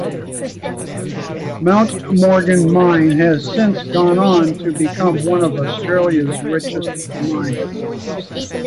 Mount Morgan Mine has since gone on to become one of Australia's richest mines.